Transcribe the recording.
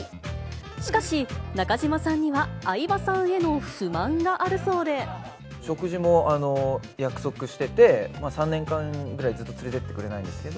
しかし、中島さんには、食事も約束してて、３年間ぐらい、ずっと連れてってくれないんですけど。